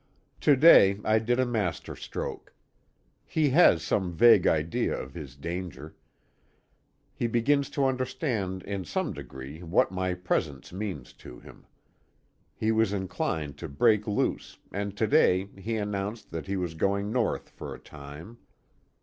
To day I did a master stroke. He has some vague idea of his danger. He begins to understand in some degree what my presence means to him. He was inclined to break loose, and to day he announced that he was going north for a time.